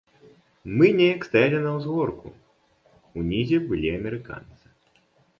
Мы неяк стаялі на ўзгорку, унізе былі амерыканцы.